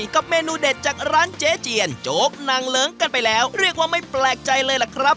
กับเมนูเด็ดจากร้านเจ๊เจียนโจ๊กนางเลิ้งกันไปแล้วเรียกว่าไม่แปลกใจเลยล่ะครับ